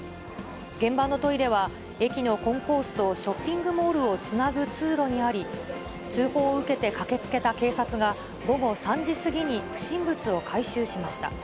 現場のトイレは、駅のコンコースとショッピングモールをつなぐ通路にあり、通報を受けて駆けつけた警察が、午後３時過ぎに不審物を回収しました。